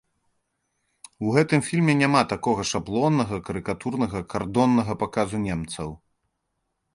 У гэтым фільме няма такога шаблоннага, карыкатурнага, кардоннага паказу немцаў.